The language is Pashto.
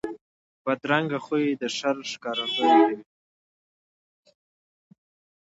بدرنګه خوی د شر ښکارندویي کوي